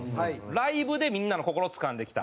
ライブでみんなの心をつかんできた。